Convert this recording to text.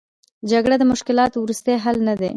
جګړه د مشکلاتو وروستۍ حل نه دی.